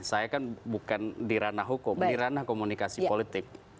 saya kan bukan dirana hukum dirana komunikasi politik